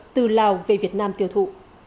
từ lào về việt nam tiêu thụ